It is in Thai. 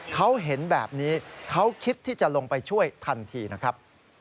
เขาเห็นแบบนี้เขาคิดที่จะลงไปช่วยทันทีนะครับ